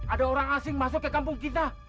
ada orang asing masuk ke kampung kita